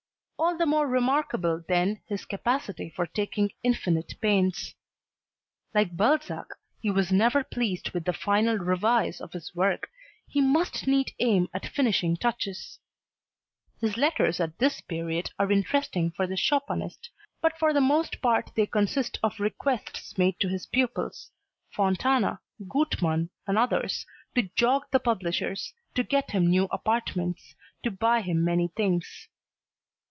All the more remarkable then his capacity for taking infinite pains. Like Balzac he was never pleased with the final "revise" of his work, he must needs aim at finishing touches. His letters at this period are interesting for the Chopinist but for the most part they consist of requests made to his pupils, Fontana, Gutmann and others, to jog the publishers, to get him new apartments, to buy him many things.